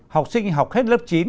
học sinh học hết lớp chín